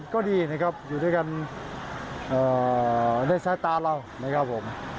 ก็ดีนะครับอยู่ด้วยกันในสายตาเรานะครับผม